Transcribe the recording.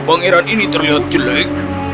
pangeran ini terlihat jelek